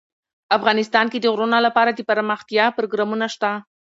افغانستان کې د غرونه لپاره دپرمختیا پروګرامونه شته.